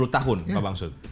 sepuluh tahun bapak mst